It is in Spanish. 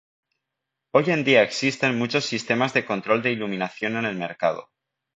Hoy en día existen muchos sistemas de control de iluminación en el mercado.